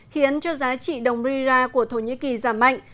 khiến cho giá trị đồng rira của thổ nhĩ kỳ giảm mạnh